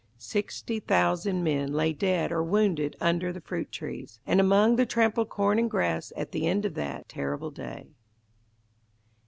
Sixty thousand men lay dead or wounded under the fruit trees, and among the trampled corn and grass at the end of that terrible day.